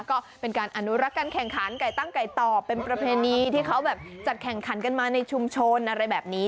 ก็เป็นการอนุรักษ์การแข่งขันไก่ตั้งไก่ต่อเป็นประเพณีที่เขาแบบจัดแข่งขันกันมาในชุมชนอะไรแบบนี้